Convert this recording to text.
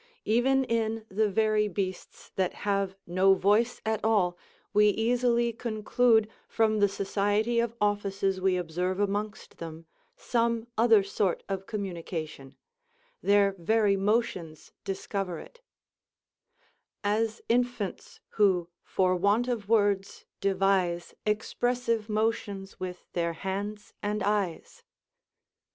Even in the very beasts that have no voice at all, we easily conclude, from the society of offices we observe amongst them, some other sort of communication: their very motions discover it: "As infants who, for want of words, devise Expressive motions with their hands and eyes."